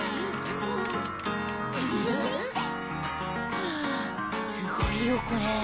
「」ふうすごいよこれ。